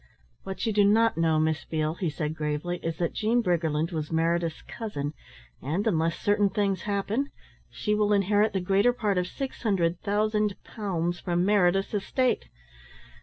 "What you do not know, Miss Beale," he said gravely, "is that Jean Briggerland was Meredith's cousin, and unless certain things happen, she will inherit the greater part of six hundred thousand pounds from Meredith's estate.